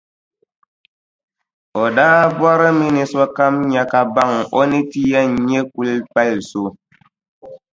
O daa bɔrimi ni sokam nya ka baŋ o ni ti yɛn nyɛ kulipalʼ so.